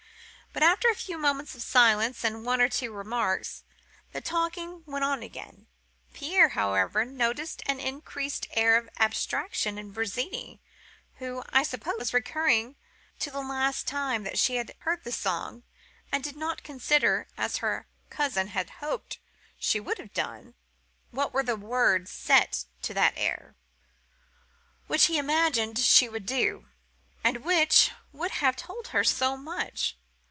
But after a few moments of silence, and one or two remarks, the talking went on again. Pierre, however, noticed an increased air of abstraction in Virginie, who, I suppose, was recurring to the last time that she had heard the song, and did not consider, as her cousin had hoped she would have done, what were the words set to the air, which he imagined she would remember, and which would have told her so much.